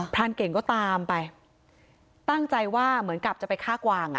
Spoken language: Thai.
รานเก่งก็ตามไปตั้งใจว่าเหมือนกับจะไปฆ่ากวางอ่ะ